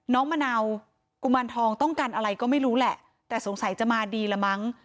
มะนาวกุมารทองต้องการอะไรก็ไม่รู้แหละแต่สงสัยจะมาดีละมั้ง